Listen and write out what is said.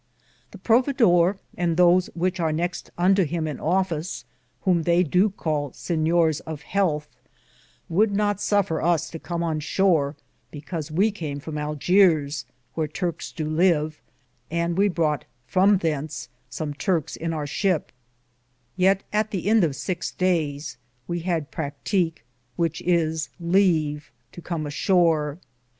The Providore, and those which ar nexte unto him in office, whome they do cale sinyors of healthe, would not suffer us to com on shore because we came from Argeare, whear Turks do live, and we broughte from thence som Turkes in our shipp ; yeate, at the End of six dayes, we had proticke,^ which is, Leve to com a shore.